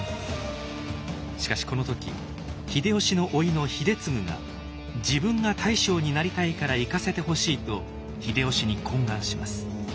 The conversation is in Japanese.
しかしこの時秀吉の甥の秀次が自分が大将になりたいから行かせてほしいと秀吉に懇願します。